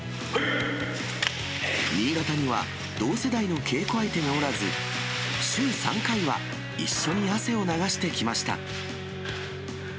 新潟には同世代の稽古相手がおらず、週３回は一緒に汗を流してきました。